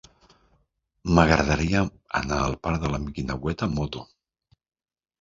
M'agradaria anar al parc de la Guineueta amb moto.